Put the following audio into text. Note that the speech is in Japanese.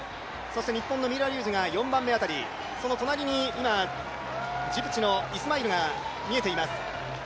そして日本の三浦龍司が４番目辺りその隣に今、ジブチのイスマイルが見えています。